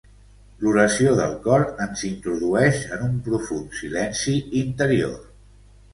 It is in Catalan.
L'oració del cor ens introdueix en un profund silenci interior.